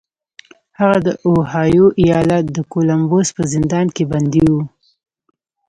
هغه د اوهایو ایالت د کولمبوس په زندان کې بندي و